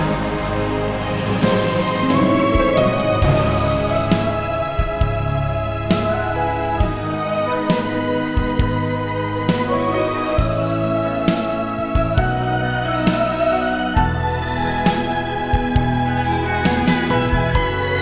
om baik apa kabar